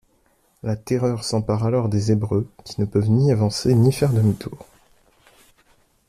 La terreur s'empare alors des Hébreux, qui ne peuvent ni avancer, ni faire demi-tour.